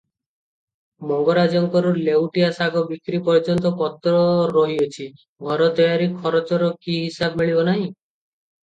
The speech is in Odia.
ମଙ୍ଗରାଜଙ୍କର ଲେଉଟିଆ ଶାଗ ବିକ୍ରି ପର୍ଯ୍ୟନ୍ତ ପତ୍ର ରହିଅଛି, ଘର ତୟାରି ଖରଚର କି ହିସାବ ମିଳିବ ନାହିଁ?